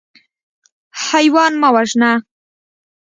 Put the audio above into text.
حیوان مه وژنه.